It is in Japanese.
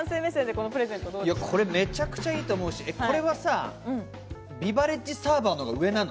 これめちゃくちゃいいと思うし、ビバレッジサーバーのほうが上なの？